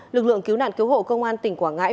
lực lượng cứu nạn cứu hộ công an tỉnh quảng ngãi